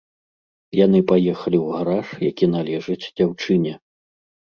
Яны паехалі ў гараж, які належыць дзяўчыне.